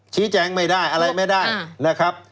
ชี้แจงไม่ได้อะไรไม่ได้นะครับ